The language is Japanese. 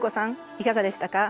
いかがでしたか？